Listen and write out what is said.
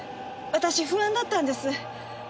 私不安だったんです。